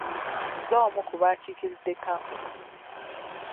Nze omu ku bakiikiridde kkampuni.